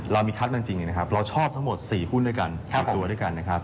เรามีคัดจริงนะครับเราชอบทั้งหมด๔ทุนด้วยกัน